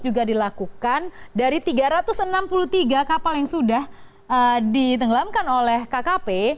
juga dilakukan dari tiga ratus enam puluh tiga kapal yang sudah ditenggelamkan oleh kkp